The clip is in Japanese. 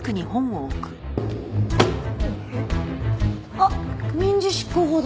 あっ民事執行法だ。